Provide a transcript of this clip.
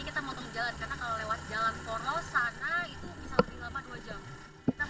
kita motong jalan karena kalau lewat jalan poros sana itu bisa lebih lama dua jam